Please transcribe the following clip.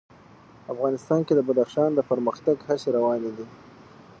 افغانستان کې د بدخشان د پرمختګ هڅې روانې دي.